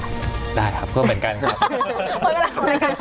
ได้ครับก็เป็นกันก่อน